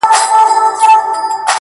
دا هم له تا جار دی، اې وطنه زوروره،